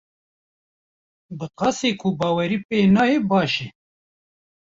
Bi qasî ku bawerî pê neyê baş e.